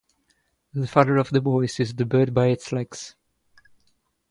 The father of the boy seized the bird by its legs.